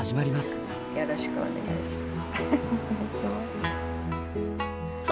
よろしくお願いします。